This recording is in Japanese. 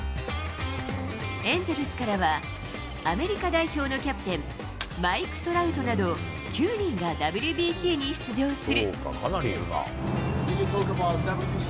エンゼルスからはアメリカ代表のキャプテン、マイク・トラウトなど、９人がＷＢＣに出場する。